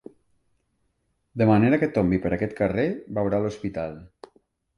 De manera que tombi per aquest carrer veurà l'hospital.